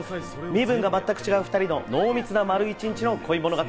身分が全く違う２人の濃密な丸一日の恋物語。